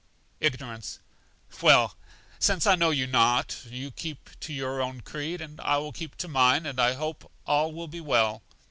Ignorance. Well, since I know you not; you keep to your own creed, and I will keep to mine, and I hope all will be well.